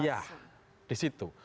iya di situ